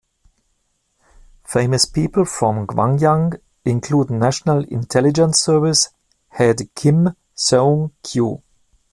Famous people from Gwangyang include National Intelligence Service head Kim Seung-kew.